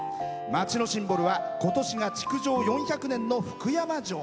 町のシンボルは、今年が築城４００年の福山城。